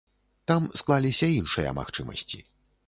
Там склаліся іншыя магчымасці.